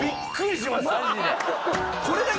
マジで。